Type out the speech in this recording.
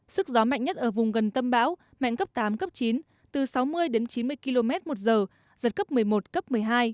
sức gió mạnh nhất ở vùng gần tâm bão mạnh cấp tám cấp chín từ sáu mươi đến chín mươi km một giờ giật cấp một mươi một cấp một mươi hai